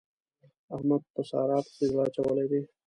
احمد په سارا پسې زړه اچولی دی.